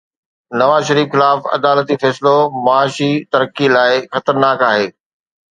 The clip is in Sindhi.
نواز شريف خلاف عدالتي فيصلو معاشي ترقي لاءِ خطرناڪ آهي